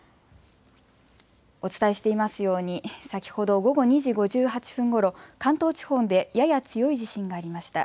お伝えしていますように先ほど午後２時５８分ごろ、関東地方でやや強い地震がありました。